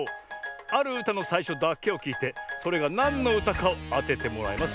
あるうたのさいしょだけをきいてそれがなんのうたかをあててもらいます。